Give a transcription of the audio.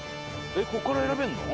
ここから選べるの？